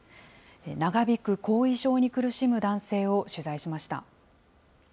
長引く後遺症に苦しむ男性を取材しました。